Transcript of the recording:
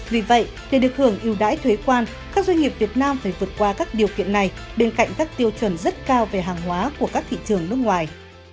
vì vậy để được hưởng yêu đãi thuế quan các doanh nghiệp việt nam phải vượt qua các điều kiện này bên cạnh các tiêu chuẩn rất cao về hàng hóa của các thị trường nước ngoài